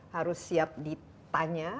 harus siap ditanya